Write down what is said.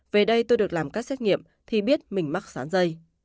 về đây tôi được làm các xét nghiệm thì biết mình mắc sán dây